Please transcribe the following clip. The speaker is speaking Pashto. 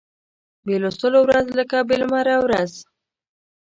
بې لوستلو ورځ لکه بې لمره ورځ